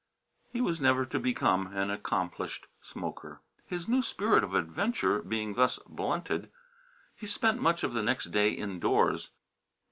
He was never to become an accomplished smoker. His new spirit of adventure being thus blunted, he spent much of the next day indoors.